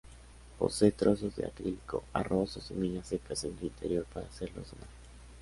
Posee trozos de acrílico, arroz o semillas secas en su interior para hacerlo sonar.